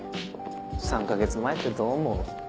３か月前ってどう思う？